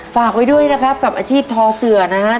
ฝากไว้ด้วยนะครับกับอาชีพทอเสือนะครับ